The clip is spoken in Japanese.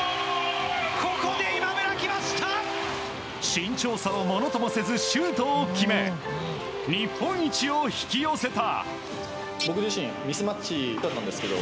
身長差をものともせずシュートを決め日本一を引き寄せた。